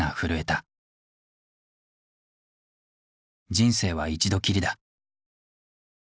人生は一度きりだ。